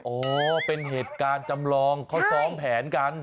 โอ้เป็นเหตุการณ์จำลองเขาซ้อมแผนกัน